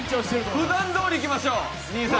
ふだんどおりいきましょう兄さん。